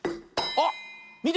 あっ！